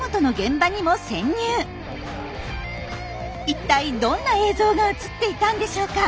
いったいどんな映像が映っていたんでしょうか？